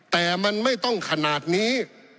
แต่มันไม่ต้องขนาดนี้